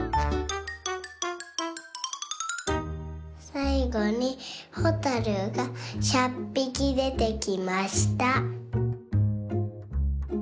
さいごにほたるが１００ぴきでてきました。